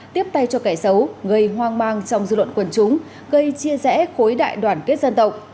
tiếp tay cho cải xấu gây hoang mang trong dư luận quần chúng gây chia rẽ khối đại đoàn kết dân tộc